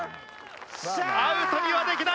アウトにはできない。